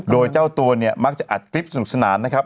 โดยเจ้าตัวเนี่ยมักจะอัดคลิปสนุกสนานนะครับ